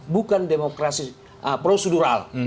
bukan demokrasi prosedural